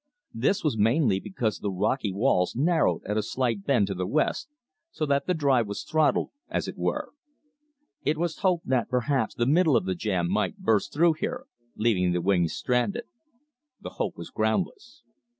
This was mainly because the rocky walls narrowed at a slight bend to the west, so that the drive was throttled, as it were. It was hoped that perhaps the middle of the jam might burst through here, leaving the wings stranded. The hope was groundless.